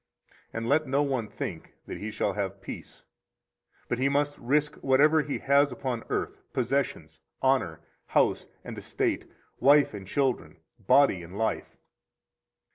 And let no one think that he shall have peace; but he must risk whatever he has upon earth possessions, honor, house and estate, wife and children, body and life.